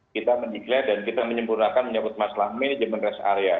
kita mendeklarasi dan kita menyempurnakan menyebut masalah manajemen rest area